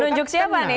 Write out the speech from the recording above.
nunjuk siapa nih